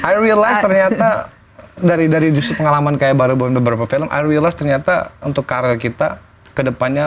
i realize ternyata dari justru pengalaman kayak baru beberapa film i realize ternyata untuk karir kita ke depannya